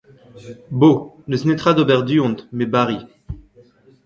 Bo, n'eus netra d'ober du-hont, me 'bari.